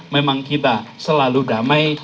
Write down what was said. memang kita selalu damai